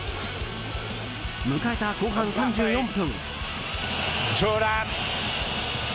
迎えた後半３４分。